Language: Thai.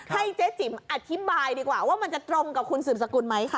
ให้เจ๊จิ๋มอธิบายดีกว่าว่ามันจะตรงกับคุณสืบสกุลไหมคะ